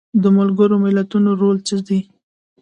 د ملګرو ملتونو رول څه دی؟